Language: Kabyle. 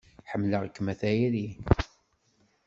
Ḥemmleɣ-kem a tayri.